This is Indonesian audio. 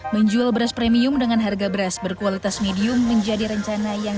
menjual beras premium dengan harga beras berkualitas medium menjadi rencana yang